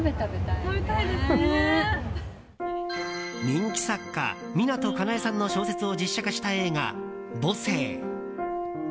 人気作家・湊かなえさんの小説を実写化した映画「母性」。